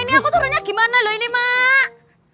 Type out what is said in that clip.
ini aku turunnya gimana loh ini mak